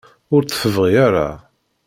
Ur tt-tebɣi ara.